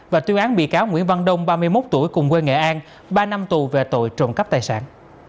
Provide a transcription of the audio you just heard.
và tuyên án bị cáo nguyễn văn đông ba mươi một tuổi cùng quê nghệ an ba năm tù về tội trộm cắp tài sản